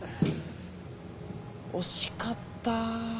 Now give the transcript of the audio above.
惜しかったぁ。